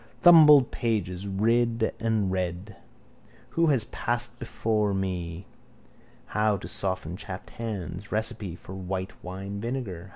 Thumbed pages: read and read. Who has passed here before me? How to soften chapped hands. Recipe for white wine vinegar.